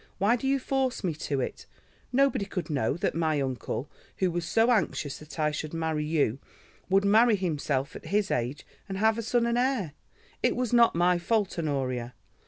Why do you force me to it? Nobody could know that my uncle, who was so anxious that I should marry you, would marry himself at his age, and have a son and heir. It was not my fault, Honoria.